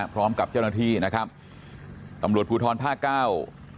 พร้อมกับเจ้าหน้าที่นะครับตำรวจภูทรภาคเก้า